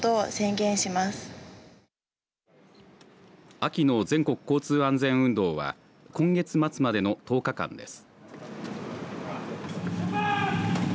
秋の全国交通安全運動は今月末までの１０日間です。